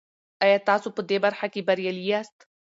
آیا تاسو په دې برخه کې بریالي یاست؟